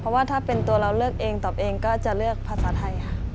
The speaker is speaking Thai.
เพราะว่าถ้าเป็นตัวเราเลือกเองตอบเองก็จะเลือกภาษาไทยค่ะ